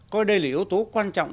coi đây là yếu tố quan trọng